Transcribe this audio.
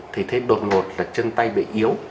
thì thấy đột ngột là chân tay bị yếu